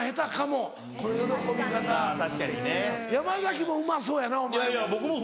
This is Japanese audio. もうまそうやなお前も。